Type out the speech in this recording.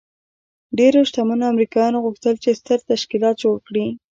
ډېرو شتمنو امریکایانو غوښتل چې ستر تشکیلات جوړ کړي